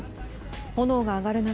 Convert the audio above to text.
炎が上がる中